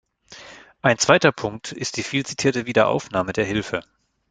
Ein zweiter Punkt ist die vielzitierte Wiederaufnahme der Hilfe.